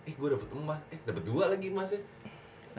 ih gue dapet emas eh dapet dua lagi emasnya